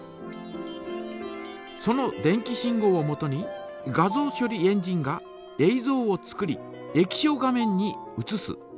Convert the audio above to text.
その電気信号をもとに画像処理エンジンがえいぞうを作り液晶画面にうつす。